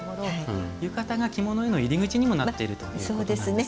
浴衣が着物の入り口になっているということなんですね。